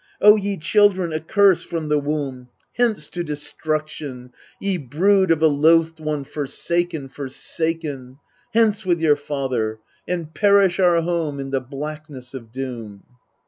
() ye children accursed from I he womb, MEDEA 247 Hence to destruction, ye brood of a loathed one forsaken, forsaken ! Hence with your father, and perish our home in the blackness of doom